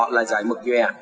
là giải mực nhòe